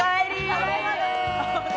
ただいまでーす。